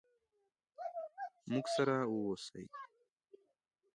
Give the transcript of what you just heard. موږ سره ووسئ.